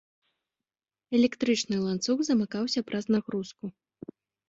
Электрычны ланцуг замыкаўся праз нагрузку.